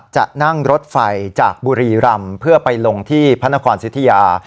จะนั่งรถไฟจากบุรีรำเพื่อไปลงที่พระนครสิทธิยา